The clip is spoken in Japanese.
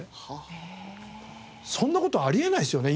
そんな事あり得ないですよね